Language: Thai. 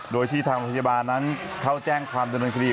โดยที่ทางพยาบาลนั้นเข้าแจ้งความดำเนินคดี